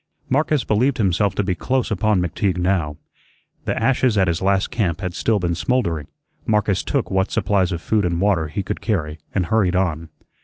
Marcus believed himself to be close upon McTeague now. The ashes at his last camp had still been smoldering. Marcus took what supplies of food and water he could carry, and hurried on.